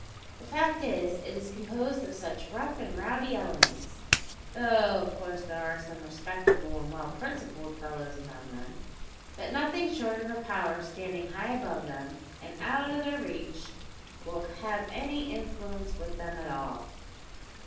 The fact is, it is composed of such rough and rowdy elements though of course there are some respectable and well principled fellows among them that nothing short of a power standing high above them and out o' their reach will have any influence with them at all.